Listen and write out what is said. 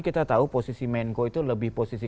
kita tahu posisi menko itu lebih posisi